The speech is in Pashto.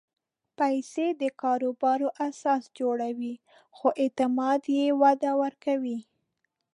پېسې د کاروبار اساس جوړوي، خو اعتماد یې وده ورکوي.